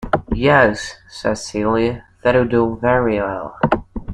"Yes," said Celia, "that will do very well."